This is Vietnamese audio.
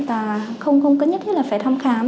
và không nhất thiết là phải thăm khám